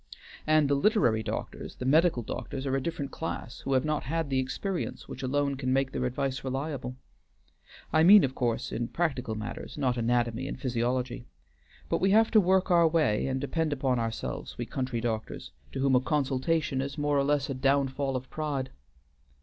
And the literary doctors, the medical scholars, are a different class, who have not had the experience which alone can make their advice reliable. I mean of course in practical matters, not anatomy and physiology. But we have to work our way and depend upon ourselves, we country doctors, to whom a consultation is more or less a downfall of pride.